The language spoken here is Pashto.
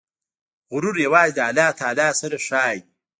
غرور یوازې د الله تعالی سره ښایي.